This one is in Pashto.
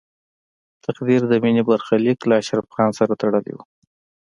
تقدیر د مینې برخلیک له اشرف خان سره تړلی و